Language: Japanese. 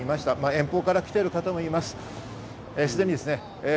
遠方から来ている方もいます。